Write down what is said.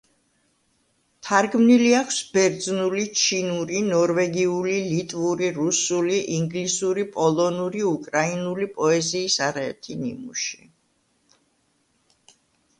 თარგმნილი აქვს: ბერძნული, ჩინური, ნორვეგიული, ლიტვური, რუსული, ინგლისური, პოლონური, უკრაინული პოეზიის არაერთი ნიმუში.